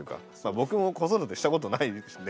僕も子育てしたことないんで。